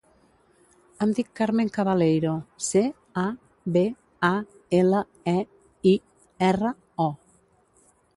Em dic Carmen Cabaleiro: ce, a, be, a, ela, e, i, erra, o.